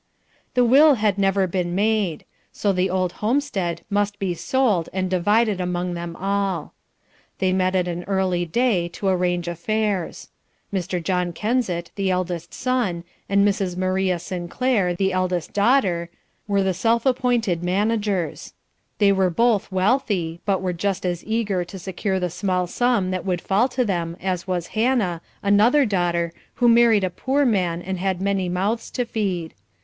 The will had never been made, so the old homestead must be sold and divided among them all. They met at an early day to arrange affairs. Mr. John Kensett, the eldest son, and Mrs. Maria Sinclair, the eldest daughter, were the self appointed managers. They were both wealthy, but were just as eager to secure the small sum that would fall to them as was Hannah, another daughter, who married a poor man and had many mouths to feed.